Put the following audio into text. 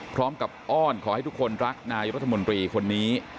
อ้อนขอให้ทุกคนรักนายรัฐมนตรีคนนี้